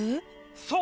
そう！